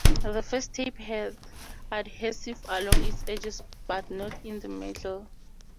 The first tape had adhesive along its edges but not in the middle.